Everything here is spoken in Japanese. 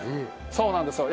そうなんですよ。